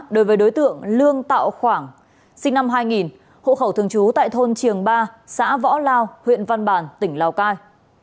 đối tượng lương tạo khoảng sinh năm hai nghìn hộ khẩu thường trú tại thôn trường ba xã võ lao huyện văn bản tỉnh lào cai